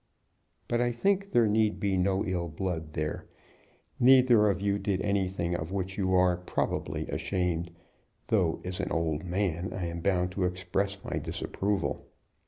But I think there need be no ill blood there. Neither of you did anything of which you are, probably, ashamed; though as an old man I am bound to express my disapproval."